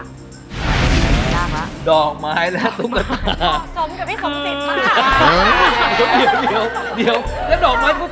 งั้นขอเรียนเชิญที่หมอกันค่ะ